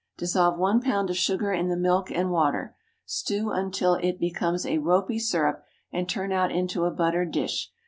Dissolve one pound of sugar in the milk and water. Stew until it becomes a "ropy" syrup, and turn out into a buttered dish.